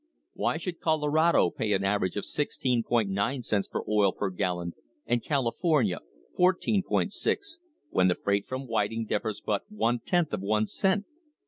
Why should Colorado pay an average of 16.90 cents for oil per gallon and California 14.60 cents, when the freight from Whiting differs but one tenth of one cent?